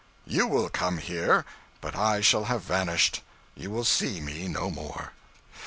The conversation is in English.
You will come here, but I shall have vanished; you will see me no more.'